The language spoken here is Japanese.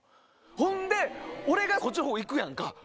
ほんで俺がこっちの方行くやんか。